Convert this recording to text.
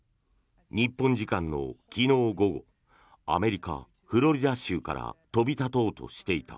日本時間の昨日午後アメリカ・フロリダ州から飛び立とうとしていた。